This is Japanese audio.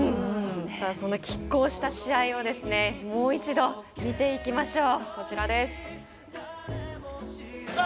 そのきっ抗した試合をもう一度、見ていきましょう。